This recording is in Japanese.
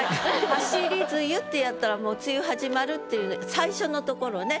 「走り梅雨」ってやったらもう梅雨はじまるっていう最初のところね。